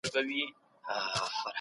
موږ باید په ډینامیکه توګه پرمختیا وڅېړو.